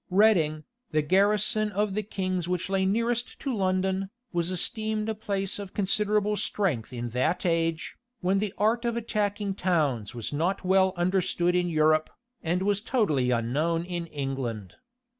Reading, the garrison of the king's which lay nearest to London, was esteemed a place of considerable strength in that age, when the art of attacking towns was not well understood in Europe, and was totally unknown in England.